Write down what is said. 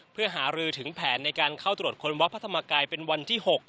เพื่อหารือถึงแผนในการเข้าตรวจคนวัดพระธรรมกายเป็นวันที่๖